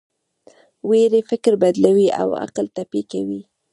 ویرې فکر بدلوي او عقل ټپي کوي.